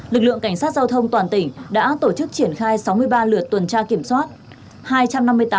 lực lượng cảnh sát giao thông toàn tỉnh đã tổ chức triển khai sáu mươi ba lượt tuần tra kiểm soát